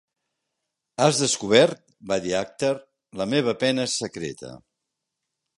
"Has descobert", va dir Akhtar, "la meva pena secreta".